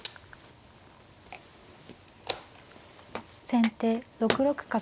先手６六角。